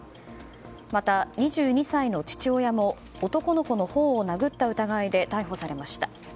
また、２２歳の父親も男の子の頬を殴った疑いで逮捕されました。